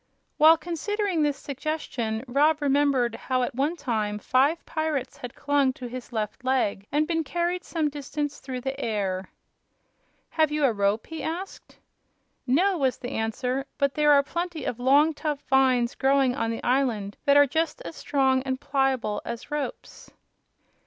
While considering this suggestion Rob remembered how at one time five pirates had clung to his left leg and been carried some distance through the air. "Have you a rope?" he asked. "No," was the answer; "but there are plenty of long, tough vines growing on the island that are just as strong and pliable as ropes."